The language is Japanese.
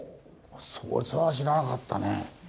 そいつは知らなかったね。